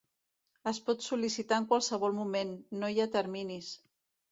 Es pot sol·licitar en qualsevol moment, no hi ha terminis.